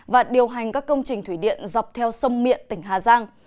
và điều hành các công trình thủy điện dọc theo sông miện tỉnh hà giang